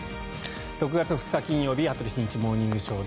６月２日、金曜日「羽鳥慎一モーニングショー」。